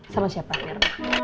sama siapa mirna